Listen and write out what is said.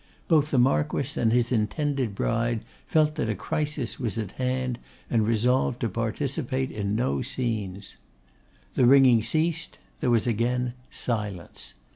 Both the Marquess and his intended bride felt that a crisis was at hand, and resolved to participate in no scenes. The ringing ceased; there was again silence.